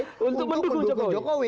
untuk mendukung jokowi